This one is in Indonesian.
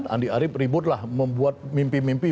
andi arief ribut lah membuat mimpi mimpi